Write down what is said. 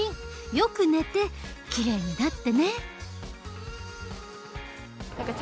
よく寝てきれいになってね。